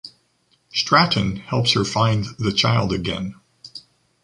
Stratton helps her find the child again.